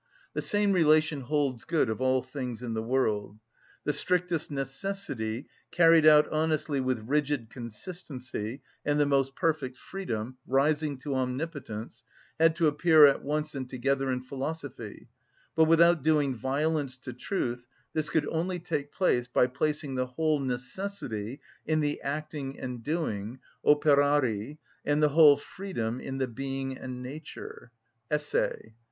The same relation holds good of all things in the world. The strictest necessity, carried out honestly with rigid consistency, and the most perfect freedom, rising to omnipotence, had to appear at once and together in philosophy; but, without doing violence to truth, this could only take place by placing the whole necessity in the acting and doing (Operari), and the whole freedom in the being and nature (Esse).